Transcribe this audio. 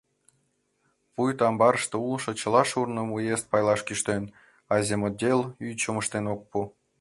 Пуйто амбарыште улшо чыла шурным уезд пайлаш кӱштен, а земотдел ӱчым ыштен ок пу.